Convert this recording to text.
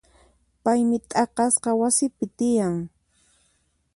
Paymi t'aqasqa wasipi tiyan.